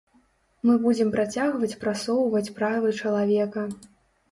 Мы будзем працягваць прасоўваць правы чалавека.